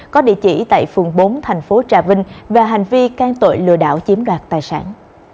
có địa chỉ tại phường bốn thành phố trà vinh về hành vi can tội lừa đảo chiếm đoạt tài sản